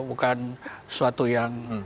bukan sesuatu yang